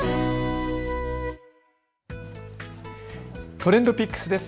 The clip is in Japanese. ＴｒｅｎｄＰｉｃｋｓです。